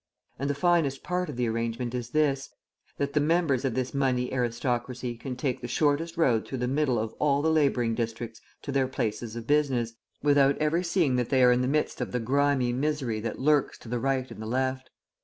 And the finest part of the arrangement is this, that the members of this money aristocracy can take the shortest road through the middle of all the labouring districts to their places of business, without ever seeing that they are in the midst of the grimy misery that lurks to the right and the left.